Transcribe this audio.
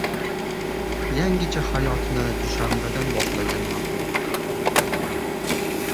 — Yangicha hayotni dushanbadan boshlagan ma’qul.